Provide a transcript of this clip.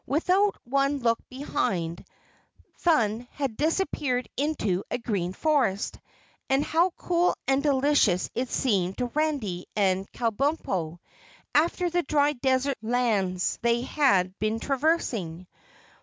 Without one look behind, Thun had disappeared into a green forest, and how cool and delicious it seemed to Randy and Kabumpo after the dry desert lands they had been traversing.